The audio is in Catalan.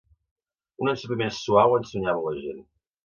Un ensopiment suau ensonyava la gent.